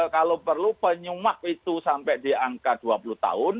kalau perlu penyumak itu sampai di angka dua puluh tahun